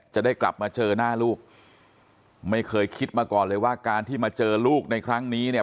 จะได้กลับมาเจอหน้าลูกไม่เคยคิดมาก่อนเลยว่าการที่มาเจอลูกในครั้งนี้เนี่ย